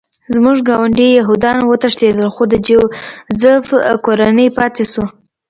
زموږ ګاونډي یهودان وتښتېدل خو د جوزف کورنۍ پاتې شوه